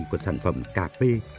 của sản phẩm cà phê